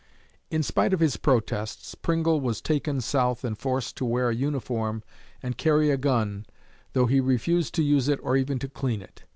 In spite of his protests, Pringle was taken South and forced to wear a uniform and carry a gun, though he refused to use it or even to clean it.